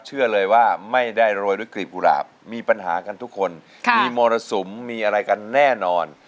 เชื่อเลยว่าไม่ได้โรยด้วยกลีบกุหลาบมีปัญหากันทุกคนมีมรสุมมีอะไรกันแน่นอน